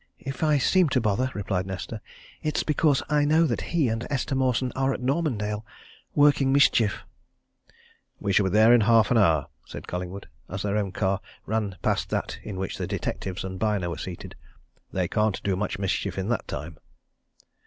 "If I seem to bother," replied Nesta, "it's because I know that he and Esther Mawson are at Normandale working mischief." "We shall be there in half an hour," said Collingwood, as their own car ran past that in which the detectives and Byner were seated. "They can't do much mischief in that time."